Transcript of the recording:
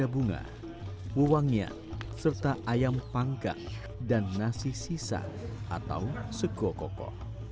ada bunga wangnya serta ayam pangka dan nasi sisa atau sekokoko